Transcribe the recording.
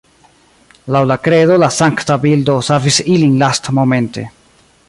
Laŭ la kredo la sankta bildo savis ilin lastmomente.